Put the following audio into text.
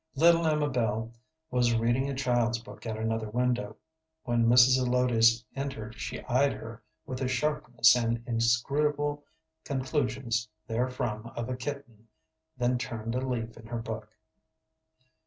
Little Amabel was reading a child's book at another window. When Mrs. Zelotes entered she eyed her with the sharpness and inscrutable conclusions therefrom of a kitten, then turned a leaf in her book.